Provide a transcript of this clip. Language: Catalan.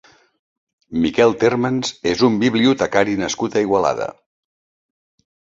Miquel Térmens és un bibliotecari nascut a Igualada.